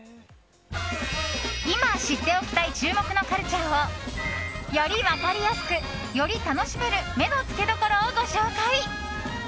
今、知っておきたい注目のカルチャーをより分かりやすく、より楽しめる目のつけどころをご紹介。